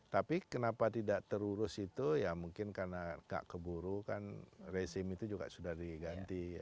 tapi kenapa tidak terurus itu ya mungkin karena gak keburu kan rezim itu juga sudah diganti ya